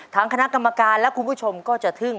คณะกรรมการและคุณผู้ชมก็จะทึ่ง